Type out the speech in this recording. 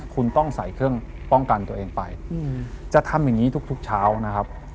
คุณต้องใส่เครื่องป้องกันตัวเองไปจะทำอย่างนี้ทุกเช้านะครับ